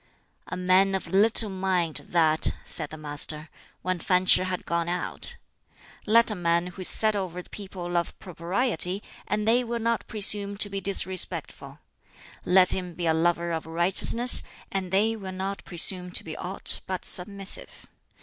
"A man of little mind, that!" said the Master, when Fan Ch'i had gone out. "Let a man who is set over the people love propriety, and they will not presume to be disrespectful. Let him be a lover of righteousness, and they will not presume to be aught but submissive.